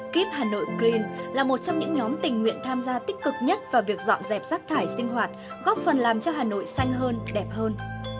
keep hà nội green là một trong những nhóm tình nguyện tham gia tích cực nhất vào việc dọn dẹp rác thải sinh hoạt góp phần làm cho hà nội xanh hơn đẹp hơn